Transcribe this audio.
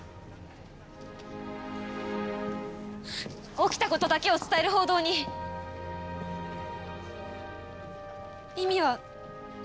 起きたことだけを伝える報道に意味はあるんでしょうか。